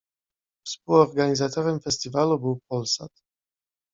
Współorganizatorem festiwalu był Polsat.